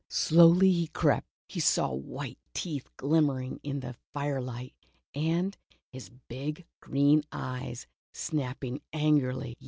Slowly he crept, his long white teeth gleaming in the firelight, and his big green eyes snapping angrily.